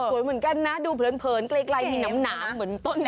สวยเหมือนกันนะดูเพลินใกล้มีน้ำหนาวเหมือนต้น